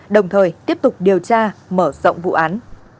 đồng thời tiếp tục điều tra mở rộng vụ án